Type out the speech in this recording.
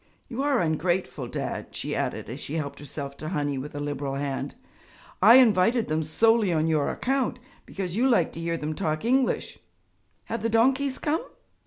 You are ungrateful, Dad,' she added as she helped herself to honey with a liberal hand, 'I invited them solely on your account because you like to hear them talk English. Have the donkeys come?'